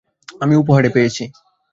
আমি উপহারে পেয়েছি।